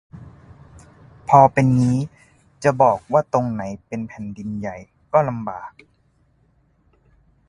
พอเป็นงี้ จะบอกว่าตรงไหนเป็น "แผ่นดินใหญ่" ก็ลำบาก